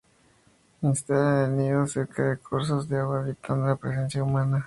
Instalan el nido cerca de cursos de agua, evitando la presencia humana.